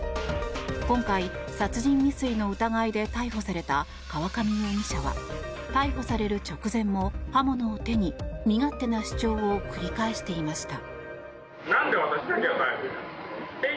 今回、殺人未遂の疑いで逮捕された河上容疑者は逮捕される直前も刃物を手に身勝手な主張を繰り返していました。